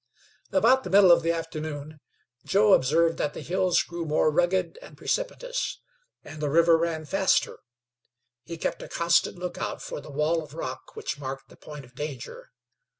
About the middle of the afternoon Joe observed that the hills grew more rugged and precipitous, and the river ran faster. He kept a constant lookout for the wall of rock which marked the point of danger.